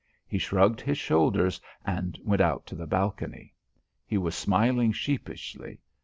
He shrugged his shoulders and went out to the balcony. He was smiling sheepishly.